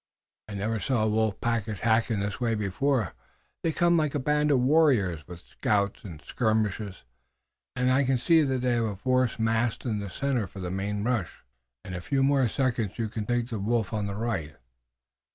"I never saw a wolf pack attack in this way before. They come like a band of warriors with scouts and skirmishers, and I can see that they have a force massed in the center for the main rush." "In a few more seconds you can take the wolf on the right.